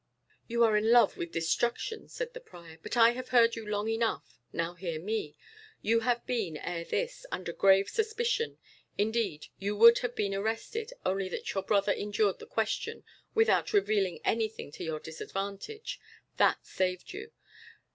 "You are in love with destruction," said the prior. "But I have heard you long enough. Now hear me. You have been, ere this, under grave suspicion. Indeed, you would have been arrested, only that your brother endured the Question without revealing anything to your disadvantage. That saved you."